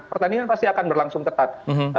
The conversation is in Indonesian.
pertandingan pasti akan berlangsung ketat